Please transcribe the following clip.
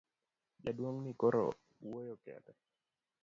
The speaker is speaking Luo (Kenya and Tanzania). Jaduong' ni koro wuoyo kende.